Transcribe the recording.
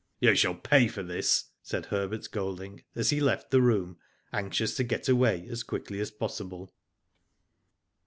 " You shall pay for this/' said Herbert Golding, as he left the room, anxious to get away as quickly as possible.